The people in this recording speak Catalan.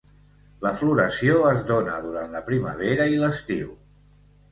La floració es dóna durant la primavera i l'estiu.